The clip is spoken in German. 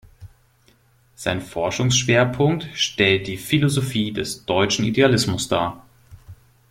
Sein Forschungsschwerpunkt stellt die Philosophie des Deutschen Idealismus dar.